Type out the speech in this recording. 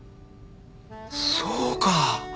そうか。